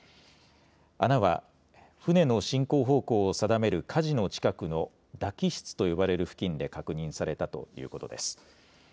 穴は船の進行方向を定めるかじの近くのだ機室と呼ばれる付近で確認されたということです。